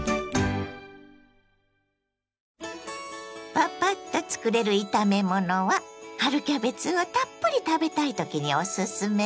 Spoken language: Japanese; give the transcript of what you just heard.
パパッとつくれる炒め物は春キャベツをたっぷり食べたいときにおすすめです。